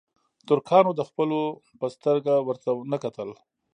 ترکانو د خپلو په سترګه ورته نه کتل.